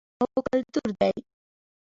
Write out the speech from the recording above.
روغبړ د پښتنو کلتور دی